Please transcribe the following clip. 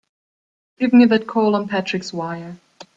Give me that call on Patrick's wire!